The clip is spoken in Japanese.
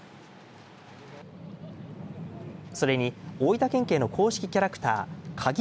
それに、大分県警の公式キャラクターかぎ